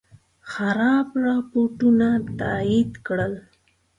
خراب رپوټونه تایید کړل.